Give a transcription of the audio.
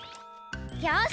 よし！